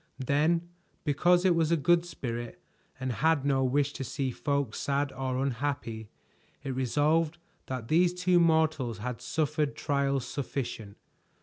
Then, because it was a good spirit, and had no wish to see folk sad or unhappy, it resolved that these two mortals had suffered trials sufficient.